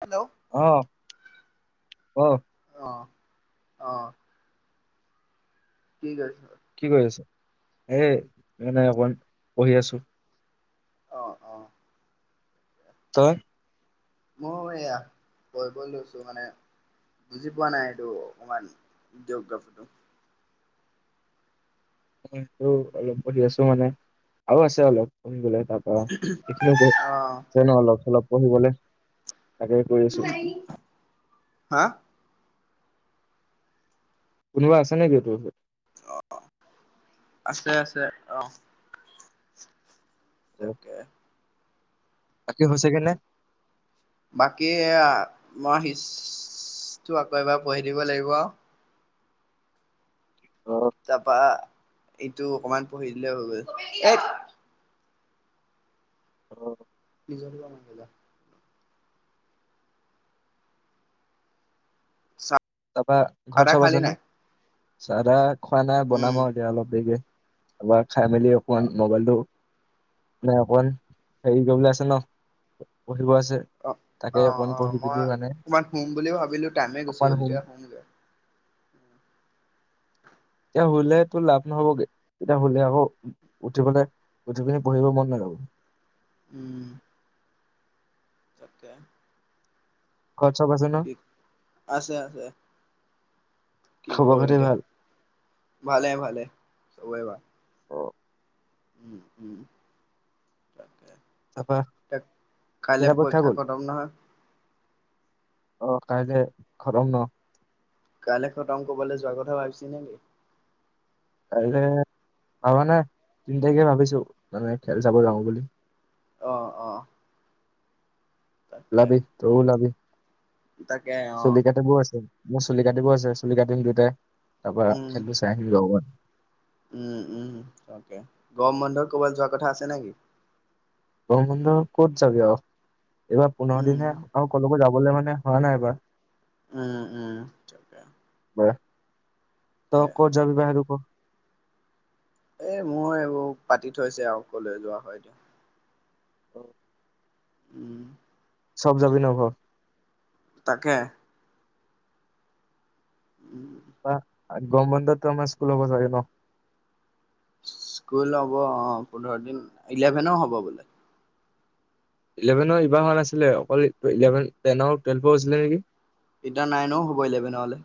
Hello অ ক আহ-আহ কি কৰি আছ? কি কৰি আছ? এ মানে অকণ পঢ়ি আছো। অহ-অহ, তই মই এয়া কৈ গৈ লৈছো মানে বুজি পোৱা নাই। এইটো অকমান জিঅগ্ৰাফী টো অলপ পঢ়ি আছো, মানে আৰু আছে অলপ পঢ়িবলে। তাৰ পৰাা অ এইখিনিওছে ন অলপ চলপ পঢ়িবলে। হা কোনবা আা নাই গৈ তাত অহ, আছে-আছে অহ, তাকে তাকি হৈছে কে নাই বাকী মই শটো আকৌ এবাৰ পঢ়ি দিব লাগিব আৰু। অ তাৰপা ইটো অকমান পঢ়ি দিলে হৈ গ'ল এ। অ, নিজৰ ক মান যা। চাহ তাৰপা ঘৰত তাহ চব খালি আছে ন নাই চা খোৱা নাই উম বনাম আৰু এতিয়া অলপ দেৰিকে। আৰ খাই মেলি অ অকমান মোবাইলটো। নাই আন হেৰি গল আছ ন। পঢ়িব আছে অ অ তাকে অকমান অ পঢ়ি মই পি মানে অকমান শুম বুলি ভাবিলো টাইমে গুচি গ'ল অকমান। এতিয়া শুমগে এতিয়া হুললে তটো লাভ নহ'বগে এতিয়া হলে আকৌ উঠিবলে। কথাখিনি পঢ়িব মন নযাবো। উম, তাকে ঘৰত চব আছে ন কি? আছে-আছে। কি খবৰ কৰো খাতি এতিয়া ভাল ভালে-ভালে চবেই ভাৰ অ উম-উম তাকে। তাৰপা এ কেইটা কাইলৈ পৰীক্ষা গ'ল কদম নহয়। অ' কাইলে খতম ন। কাইলে খতং কবলে যোৱা কথা ভাবিছ নেকি? ত ভাৱা নাই তিনি তাকে ভাবিছো মানে খেল চাব যাওঁ বুলি। অহ-অহ। ওলাবি তই ওলাবি তাকে অ চল কাতে বোৰ আছে। ম চুলি কাটিব আছে চুলি কাটি সিলিতে তাৰ পৰাৰা খেলটো চাই আহিলো অমান। উম-উম তাকে গম বন্ধ ক'বাত যোৱাৰ কথা আছে নেকি? ব বন্ধ ক'ত যাবি অ এইবাৰ পোন্ধৰ উম দিনে আৰু ক' যাব। বলে মানে হ নাই বাৰ। উম-উম, ত ক'ত যাবি বাহিৰ ক? এ মোৰ এইবোৰ পাতি থৈছে আৰু অকলৈ যোৱা হয়টো। অ', উম। চব যাবি ন তাকে। উম। [unintelligible] গৰম বন্ধতো আমাৰ স্কুল হব চাগে ন? স্কুল হ'ব অ' পোন্ধৰ দিন ইলেভেন হ'ব বোলে। ইলেভেনৰ ইবাৰ হোৱা নাছিলে অকল টেন টুৱেলভৰ আছিলে নেকি? এতিয়া নাইনও হ'ব ইলেভেনলে।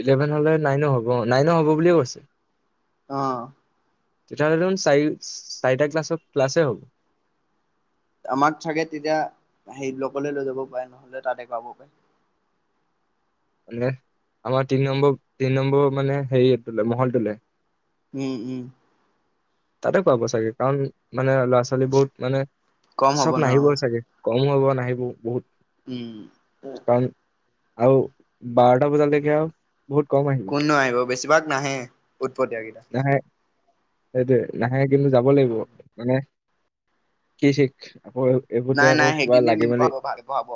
ইলেভেন হ'লে নাইন হ'ব নাইন হ'ব বুলিয়ে কৈছে। অ'। তেতিয়াহ'লে দোখোন চাৰি চাৰিটা ক্লাছ ক্লাছেই হ'ব। আমাক চাগে তেতিয়া সেই লগলৈ লৈ যাব পাৰে নহলে তাতে [unintelligible] পাৰে। মানে আমাৰ তিনি নম্বৰ তিনি নম্বৰ মানে হেৰিটো মহলটোলে? উম, উম। তাতে পাব চাগে কাৰণ মানে ল'ৰা ছোৱালী বহুত মানে কম হ'ব চব ন অ নাহিব চাগে। কম হব নাহিব বহুত। উম। [unintelligible] কাৰণ আৰু বাৰটা বজা লৈকে আৰু। বহুত কম কোন নো আহিব বেছিভাগ নাহে, উৎপতিয়া গিতা। সেইটোয়ে নাহে কিন্তু যাব লাগিব মানে কি ঠিক আকৌ এইবোৰতে নাই আকৌ নাই কিবা সেইদিনে লাগে বুলি পঢ়াব ভালে পঢ়াব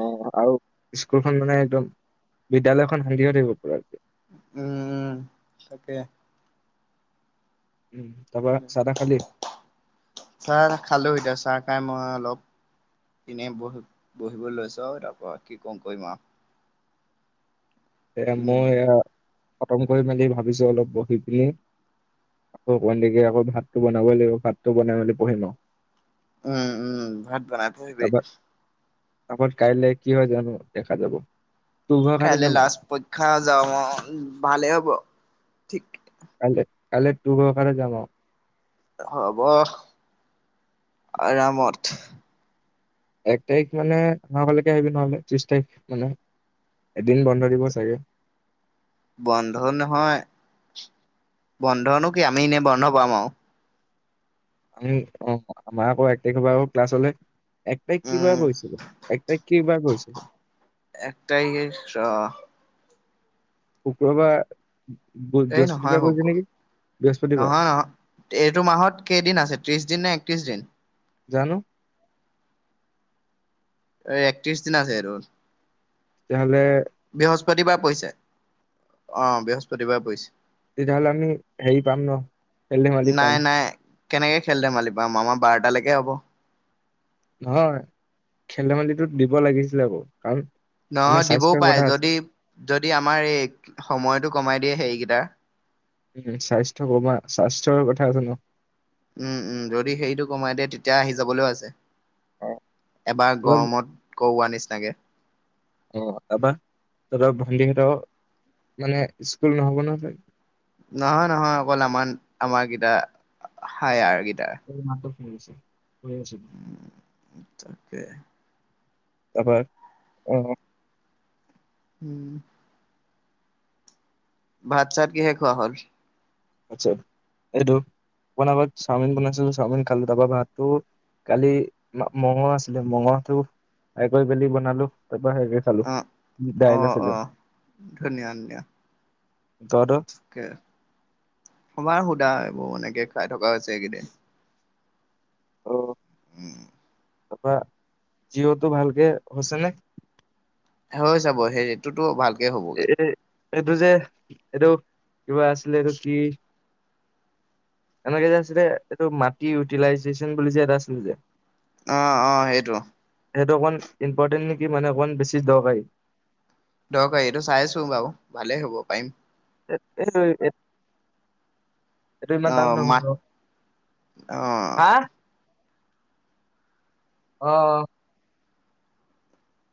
অ' আৰু স্কুলখন মানে একদম বিদ্যালয়খন শান্তি হৈ থাকিব পুৰা একদম। উম, তাকে। উম, তাৰপা চাহ তাহ খালি? চাহ খালোঁ এতিয়া চাহ খাই মই অলপ এনেই বহিব লৈছোঁ আৰু তাৰপৰা কি [unintelligible] কৰিম আৰু। [inaudible] এয়া উম মই এয়া খতম কৰি মেলি ভাবিছোঁ অলপ বহি পিনি আকৌ অকণমান দেৰিকে আকৌ ভাতটো বনাবই লাগিব ভাতটো বনাই মেলি পঢ়িম আৰু। উম-উম ভাত বনাই পঢ়িবি। তাপা কাইলে কি হয় জানোঁ দেখা যাব, তোৰ ভৰসাতে যাম আৰু। খা যাওঁ অ' ভালে হ'ব ঠিক কাইলে তোৰ ভৰসাতে যাম আৰু। হ'ব আৰামত। এক তাৰিখ মানে আমাৰ ফালেকে আহিবি নহ'লে ত্ৰিশ তাৰিখ মানে। এদিন বন্ধ দিব চাগে। বন্ধ নহয় বন্ধনো কি আমি এনে বন্ধ পাম আৰু। আমি অ' আমাৰ আকৌ এক তাৰিখৰ পৰা আকৌ ক্লাছ হ'লে। এক তাৰিখ কি উম বাৰ পৰিছেনো এক তাৰিখ কি বাৰ পৰিছেনো? [unintelligible] শুক্ৰবাৰ। এই বৃহস্পতি নহয় বাৰ হ'ব পৰিছে নেকি? বৃহস্পতিবাৰ নহয় নহয়, এইটো মাহত কেইদিন আছে ত্ৰিশ দিন নে একত্ৰিশ দিন? জানো। এই একত্ৰিশ দিন আছে এইটো। তেতিয়াহলে বৃহস্পতিবাৰ পৰিছে অ' বৃহস্পতিবাৰ পৰিছে। তেতিয়াহ'লে আমি হেৰি পাম ন খেল-ধেমালি নাই পাম। নাই কেনেকে খেল-ধেমালি পাম আমাৰ বাৰটালৈকে হ'ব। নহয় খেল-ধেমালিটো দিব লাগিছিলে আকৌ কাৰণ মানে নহয় দিবও স্বাস্থ্যৰ পাৰে কথা আছে যদি, যদি আমাৰ এই সময়তটো কমাই সেইকেইটা। উম স্বাস্থ্য কমা স্বাস্থ্যৰ কথা আছে ন? উম উম যদি হেৰিটো কমাই দিয়ে তেতিয়া আহি যাবলৈও আছে। এবাৰ তোমাৰ গৰমত কৰোৱা নিচিনাকে। আহ তাৰপা তহঁতৰ ভণ্টিহঁতৰ মানে স্কুল নহ'ব ন? নহয় নহয়, অকল আমাৰ আমাৰ কেইটা হায়াৰ কি সেয়ে নাটক কৰিছে। কৰি আছো উম তাকে। তাৰপৰা অহ উম ভাত-চাত কিহে খোৱা হ'ল? আচ্ছা এইটো অকণমান আগত চাওমিন বনাইছিলোঁ চাওমিন খালোঁ তাৰপা ভাতটো কালি মঙহ আছিলে মঙহটো ফ্ৰাই কৰি পেলি বনালো। তাৰপৰা সেইভাগে খালোঁ অ অ দাইল আছিলে। অ ধুনীয়া ধুনীয়া তহঁতৰ? আমাৰ সুধা সেইবোৰ এনেকে খাই থকা হৈছে এইকেইদিন। অ উম তাৰপৰা জিঅ'টো ভালকে হৈছে নে হৈ চাব সেই এইটোতো ভালকে এ হ'বগে এইটো যে এইটো কিবা আছিলে এইটো কি এনেকে যে আছিলে এইটো মাটি ইউটিলাইজেচন বুলি যে এটা আছিলে যে আহ অ সেইটো সেইটো অকণ ইম্পৰ্টেণ্ট নেকি মানে অকণমান বেছি দৰকাৰ দক এইটো চাইছো বাৰু ভালেই হ'ব পাৰিম দুমানা অ দান নহল মাত অ হা আহ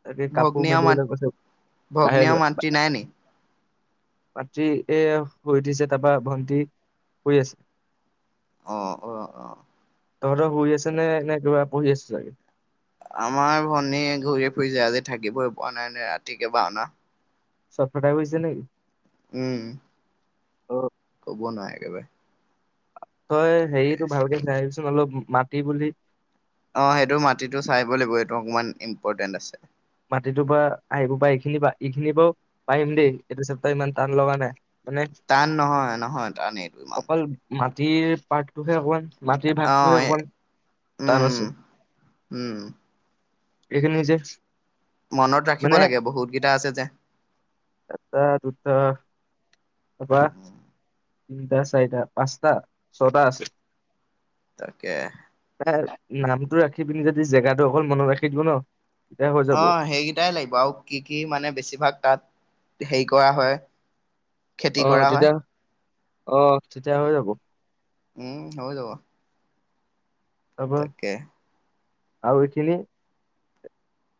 তাকে কাপোৰ ভগ্নী আৰু মাত মেলিবলৈ কৈছে ভগ্নী আৰু বাহিৰলৈ মাতৃ নাই নি মাতৃ এ শুই উঠিছে তাৰপৰা ভণ্টি শ আছে অ অ অ তহঁতৰ শুই আছে নে নে কিবা পঢ়ি আছো চাগে আমাৰ ভনীয়ে ঘূৰি ফুৰি য আজি থাকিবই পোৱা নাই নে ৰাতিকে বাা অনা চত কটাইৈছে নেকি উম অ হ'ব নহয় একেবাৰে তই হেৰিতটো ভালকে চাই আহিবিচোন অলপ মাটি বুলি অ সেইটো মাটিটো চাই লাগিব এইটো অকমান ইম্পৰ্টেণ্ট আছে ইখিনিব পাৰিম দেই এইটো চব তই ইমান টান লগা নাই মানে টান নহয় নহয় টান এইটো ইমান তি পঠটোহে অকমান মাটিৰ অ ভাগটোহে অকমান টান উম আছে উম এইখিন যে মনত ৰাখিব মানে লাগে বহুতকেইটা আছে যে এটা দুটা তাৰপৰা তিনিটা চাৰিটা পাঁচটা ছটা আছে তাকে নামটো ৰাখি পিনি যদি জেগাটো অকল মনত ৰাখি দিব ন তেতিয়া হৈ অ যাব সেইকেইটাই লাগিব আৰু কি কি মানে বেছিভাগ তাত হেৰি কৰা হয় খেতি কৰা হয়। অহ তেতিয়া হৈ যাব। উম, হৈ যাব। তাৰপৰা তাকে আৰু এইখিনি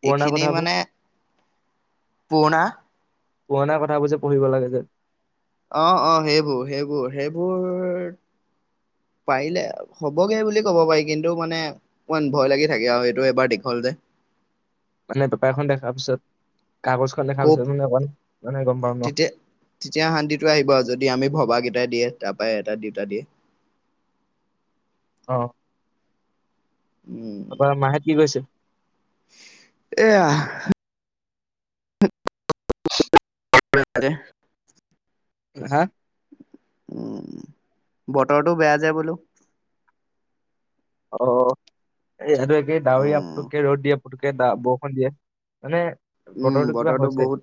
পুৰণা এইখিনি কথাবোৰ মানে? পুৰনা পুৰণা কথাবোৰ যে পঢ়িব লাগে যে। অহ-অহ সেইবোৰ-সেইবোৰ-সেইবোৰ, পাৰিলে হ'বগে বুলি ক'ব পাৰি কিন্তু মানে ইমান ভয় লাগি থাকে আৰু সটো এবাৰ দীঘল যে। [unintelligible] মানে বোপা এখন দেখাৰ পিছত। কাগজখন দেখাৰ ক পিছত মানে অকমান মানে গম পাম ন তেতিয়া-তেতিয়া শান্তিতটো আহিব আৰু যদি আমি ভবা গিতা। এটা দিয়ে তাৰাপৰা এটা দিউতা দিয়ে। অ' উম তাৰপৰা মাহত কি গৈছে। এয়া াৰে [unintelligible] হা উম বতৰটো বেয়া যে বোলো। অ' একেই ডাৱৰীয়া উম পুতুককে ৰ'দ দিয়ে পুতুকে বৰষুণ দিয়ে। মানে উম বতৰটো কিবা হৈছে। বহুত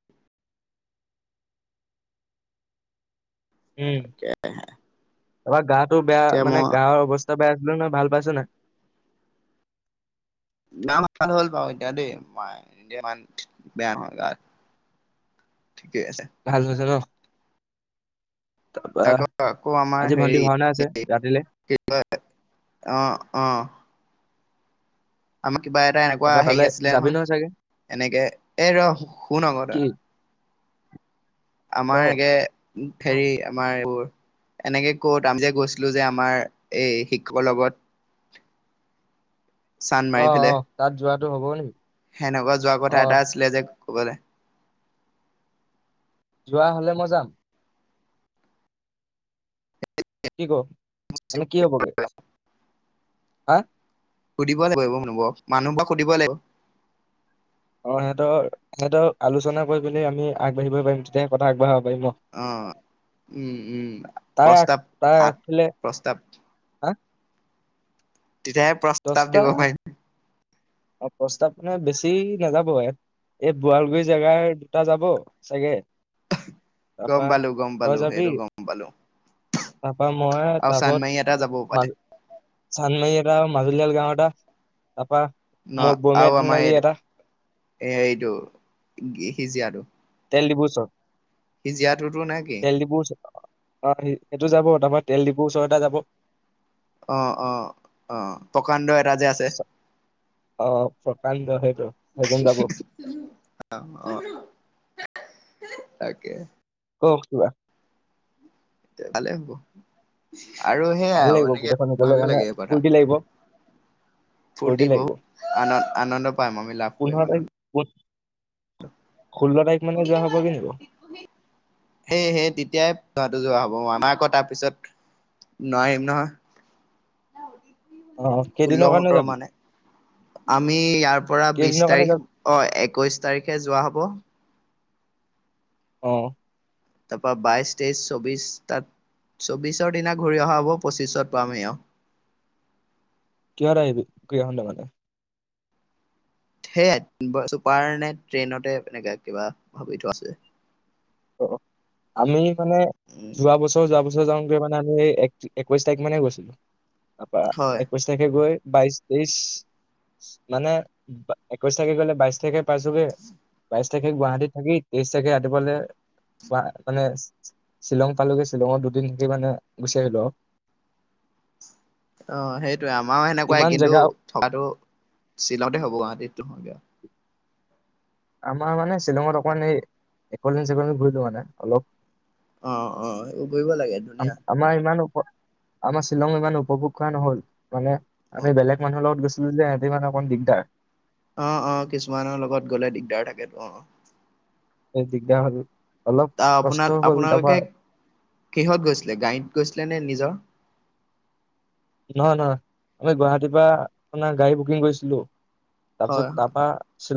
উম, তাকে এবাৰ গাটো বেয়া এতিয়া মানে মই গা অৱস্থা বেয়া ল-ন ভাল পাইছ নাই। ন ভাল হ'ল পাব এ দে ম বেয়া গ [unintelligible] ভাল হৈছে ন। তাৰপৰা তাক আকৌ আমাৰ আজি ভণ্টি হেৰি ভাওনা আছে ৰাতিলে, অহ-অহ। কিবা এটা এনেকুৱা তাৰপৰা হেৰি তালৈ আছিলে যাবি নহয় চাগে? এনেকে এই ৰ' শুন আকৌ কি তই ক? আমাৰ একে অ', হেৰি আমাৰ এইবোৰ এনেকে কত আমি যে গৈছিলো যে আমাৰ এই শিক্ষকৰ লগত [unintelligible] চান মাৰি পেলাই অ-অ তাত যোৱাটো হ'ব নেকি? সেনেকুৱা যোৱা কথা অ', এটা আছিলে যে কবলে যোৱা হলে মই যাম। কি ক মানে কি হ'বগে হা? সুধিব লাগিব মানুহবোৰ মানুহবোৰক সুধিব লাগিব। অ সিহঁতৰ সিহঁতৰ আলোচনা কৰি পিনি আমি আগবাঢ়িব পাৰি তেতিয়াহে কথা আগবঢ়াব। পাৰিম ন? অহ উম-উম তাৰ আগ প্ৰস্তাৱ তাৰ আঠ আগফালে প্ৰস্তাৱ হা তেতিয়াহে প্ৰস্তাৱ দিব দহটা পাৰিম। প্ৰস্তাৱ মানে বেছি নাযাব ই এই বোৱলগুৰি জেগাৰ দুটা যাব চাগে। গম তাৰপা পালো, গম তই পালো, যাবি হেইটো গম পালো। তাৰপা মই আৰু তপত চান্দমাৰি এটা যাব ম পালে চান্দমাৰি এটা গাওতা ন আৰু আমাৰ এইটো-এইটো হিজিয়াটো। তেলদীপুৰ ওচৰত। হিজীয়াতুটো নে কি? তেল ডিপুৰ ওচৰত অ' সেইটো যাব তাৰপা তেল ডিপুৰ ওচৰৰ এটা যাব। অ' অ' অ' প্ৰকাণ্ড এটা যে আছে অ', প্ৰকাণ্ড সেই অ', অ' তাকে ক কিবা ভালে হ'ব আৰু সেয়াই ভাল আউ লাগিব এনেকে গোটেইখন গলে ভাবিব মানে লাগে কথা ফূৰ্তি লাগিব ফূৰ্তি বহুত আন আনন্দ পাম আমি লাভ কৰিম পোন্ধৰ তাৰিখ আনন্দ ষোল্ল তাৰিখ মানে যোৱা হ'ব কি নিব হেই হে তেতিয়াই যোৱা হ'ব আমা আকৌ তাৰ পিছত নোৱাৰিম নহয় অ', ষোল্ল কেইদিনৰ কাৰণে সোতৰ যাবি? মানে আমি ইয়াৰ পৰা বিশ কেইদিনৰ কাৰণে তাৰিখ যাবি অ' একৈশ তাৰিখে যোৱা হ'ব অ', তাৰপৰা বাইশ, তেইশ, চৌবিশ তাত চৌবিছৰ দিনা ঘূৰি অহা হ'ব পঁচিছত পামহি আও কিহত আহিবি ঘুৰি আহোতে গলে সেয়াই চুপাৰ নে ট্ৰেইনতে এনেকে কিবা ভাবি থোৱা আছে আমি মানে উম যোৱা বছৰ যোৱা বছৰ যাওঁতে মানে আমি এক একৈশ তাৰিখ মানে গৈছিলো তাৰপৰা হয় একৈশ তাৰিখে গৈ বাইশ তেইশ মানে একৈশ তাৰিখে গলে বাইশ তাৰিখে পাইছোগে বাইশ তাৰিখে গুৱাহাটীত থাকি তেইশ তাৰিখে ৰাতিপুৱালে মানে শ্বিলং পালোগে শ্বিলঙত দুদিন থাকি মানে গুচি আহিলো। [inaudible] অ' সেইটোৱে আমাৰো সেনেকুৱাই ইমান কিন্তু জেগা থকাটো শ্বিলঙতে হব গুৱাহাটীত নহয় আমাৰ মানে শ্বিলঙত অকমান এই একোলেণ্ড-চেকোলেণ্ড ঘূৰি থকা যায় অলপ। অ' অ' সেইবোৰ কৰিব লাগে ধুনীয়া আমাৰ ইমান আমাৰ শ্বিলং ইমান উপভোগ কৰা নহল মানে অ আমি বেলেগ মানুহৰ লগত গৈছো ত মানে হেঁতি মানে অকণ দিগদাৰ অ', অ', কিছুমানৰ লগত গলে দিগদাৰ থাকেতো অ' দিগদাৰ হ'ল অলপ তা আপোনাক কষ্ট হ'ল আপোনালোকে তাৰপৰা কিহত গৈছিলে গাড়ীত গৈছিলে নে নিজৰ নহয় নহয় আমি গুৱাহাটীৰ পৰা আপোনাৰ গাড়ী বুকিং কৰিছিলো। হয় হয় তাৰপিছত তাপা